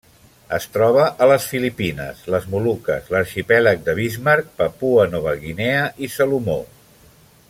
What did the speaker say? Es troba a les Filipines, les Moluques, l'Arxipèlag de Bismarck, Papua Nova Guinea i Salomó.